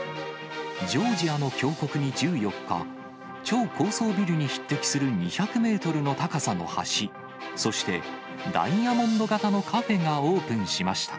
ジョージアの峡谷に１４日、超高層ビルに匹敵する２００メートルの高さの橋、そしてダイヤモンド形のカフェがオープンしました。